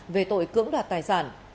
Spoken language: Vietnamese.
về tội cưỡng đoạt tài sản